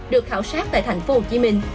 được khảo sát tại tp hcm